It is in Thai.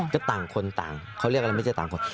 ก็ต่างคนต่างเขาเรียกอะไรไม่ใช่ต่างคน